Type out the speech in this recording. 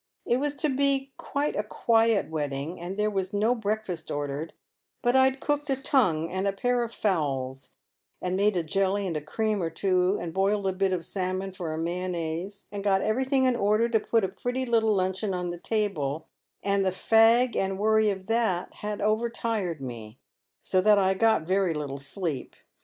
It was to be quite a quiet wedding, and there was no breakfast ordered, but I'd cooked a tongue and a pair of fowls, and made a jelly and a cream or two, and boiled a bit of salmon for a mayonnaise, and got everything in order to put a pretty little luncheon on the table, and the fag and worry of that had over tired me, so that I got very little sleep.